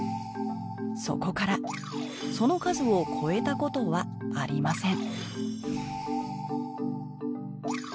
そこからその数を超えたことはありません